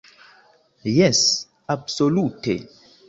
Jes, absolute!